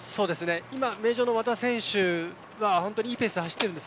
今、名城の和田選手が本当にいいペースで走っています。